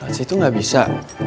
dari situ gak bisa